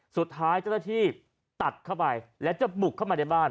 สุดท้ายเจ้าหน้าที่ตัดเข้าไปและจะบุกเข้ามาในบ้าน